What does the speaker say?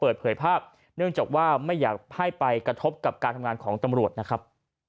เปิดเผยภาพเนื่องจากว่าไม่อยากให้ไปกระทบกับการทำงานของตำรวจนะครับ